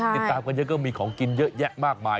ติดตามกันเยอะก็มีของกินเยอะแยะมากมาย